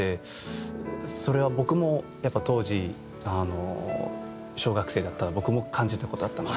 それは僕もやっぱ当時小学生だった僕も感じた事あったので。